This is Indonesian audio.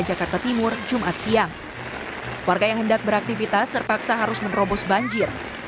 jakarta timur jumat siang warga yang hendak beraktivitas terpaksa harus menerobos banjir